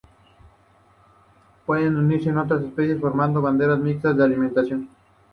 Pueden unirse a otras especies formando bandadas mixtas de alimentación.